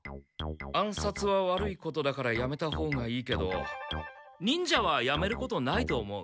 暗殺は悪いことだからやめたほうがいいけど忍者はやめることないと思う。